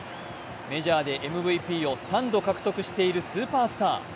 メジャーでＭＶＰを３度獲得しているスーパースター。